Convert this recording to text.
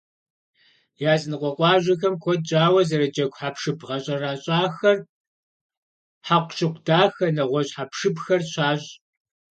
Языныкъуэ къуажэхэм куэд щӏауэ зэрыджэгу хьэпшып гъэщӏэрэщӏахэр, хьэкъущыкъу дахэ, нэгъуэщӏ хьэпшыпхэр щащӏ.